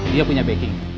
dia punya backing